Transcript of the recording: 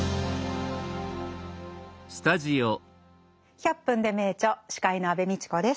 「１００分ｄｅ名著」司会の安部みちこです。